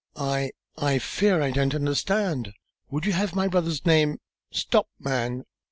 "I I fear I don't understand. Would you have my brother's name " "Stop, man!